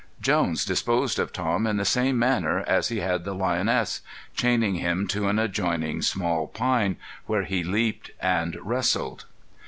Jones disposed of Tom in the same manner as he had the lioness, chaining him to an adjoining small pine, where he leaped and wrestled.